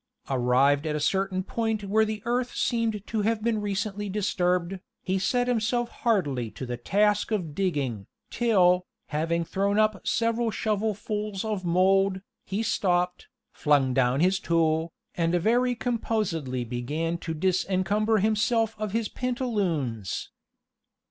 Arrived at a certain point where the earth seemed to have been recently disturbed, he set himself heartily to the task of digging, till, having thrown up several shovelfuls of mould, he stopped, flung down his tool, and very composedly began to disencumber himself of his pantaloons.